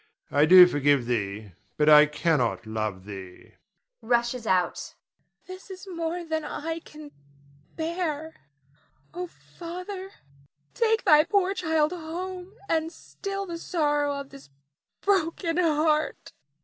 I do forgive thee, but I cannot love thee [rushes out]. Nina. This is more than I can bear. Oh, Father, take thy poor child home, and still the sorrow of this broken heart.